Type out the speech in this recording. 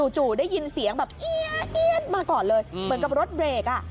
จู่ได้ยินเสียงแบบเอี๊ยดมาก่อนเลยเหมือนกับรถเบรกอ่ะ